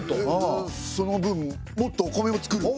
その分もっとお米を作る？